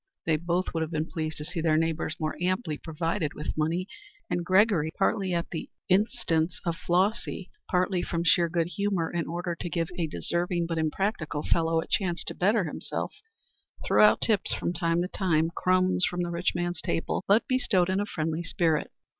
They both would have been pleased to see their neighbors more amply provided with money, and Gregory, partly at the instance of Flossy, partly from sheer good humor in order to give a deserving but impractical fellow a chance to better himself, threw out tips from time to time crumbs from the rich man's table, but bestowed in a friendly spirit.